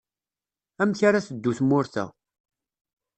Amek ara teddu tmurt-a.